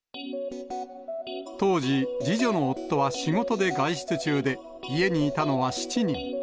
当時、次女の夫は仕事で外出中で、家にいたのは７人。